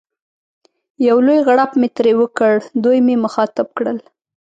یو لوی غړپ مې ترې وکړ، دوی مې مخاطب کړل.